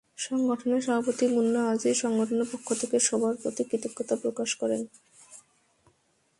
সংগঠনের সভাপতি মুন্না আজিজ সংগঠনের পক্ষ থেকে সবার প্রতি কৃতজ্ঞতা প্রকাশ করেন।